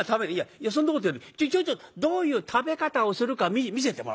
「いやそんなことよりちょいとどういう食べ方をするか見せてもらいたい。